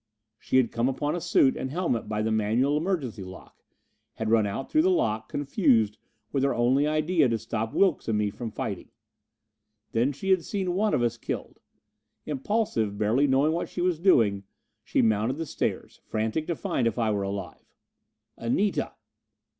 She had come upon a suit and helmet by the manual emergency lock, had run out through the lock, confused, with her only idea to stop Wilks and me from fighting. Then she had seen one of us killed. Impulsive, barely knowing what she was doing, she mounted the stairs, frantic to find if I were alive. "Anita!"